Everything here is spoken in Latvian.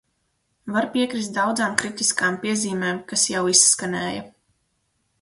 Var piekrist daudzām kritiskām piezīmēm, kas jau izskanēja.